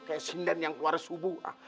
kayak sindan yang keluar di subuh